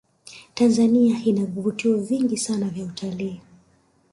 tanzania ina vivutio vingi sana vya utalii